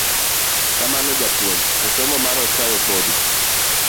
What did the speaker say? Kamano japuponj, to somo mar oswayo podi….